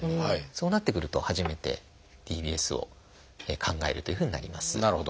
そうなってくると初めてＤＢＳを考えるというふうになります。